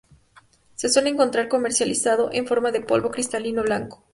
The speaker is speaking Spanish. Se suele encontrar comercializado en forma de polvo cristalino blanco.